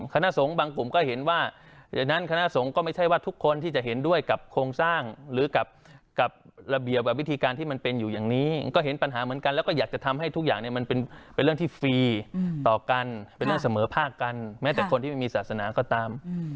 คณะสงฆ์บางกลุ่มก็เห็นว่าดังนั้นคณะสงฆ์ก็ไม่ใช่ว่าทุกคนที่จะเห็นด้วยกับโครงสร้างหรือกับระเบียบกับวิธีการที่มันเป็นอยู่อย่างนี้ก็เห็นปัญหาเหมือนกันแล้วก็อยากจะทำให้ทุกอย่างเนี่ยมันเป็นเรื่องที่ฟรีต่อกันเป็นเรื่องเสมอภาคกันแม้แต่คนที่ไม่มีศาสนาก็ตาม